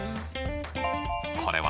これは？